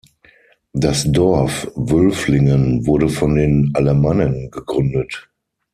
Das Dorf Wülflingen wurde von den Alemannen gegründet.